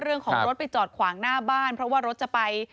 เรื่องของรถไปจอดขวางหน้าบ้านเพราะว่ารถจะไป